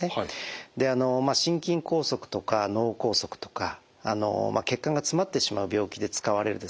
心筋梗塞とか脳梗塞とか血管が詰まってしまう病気で使われるですね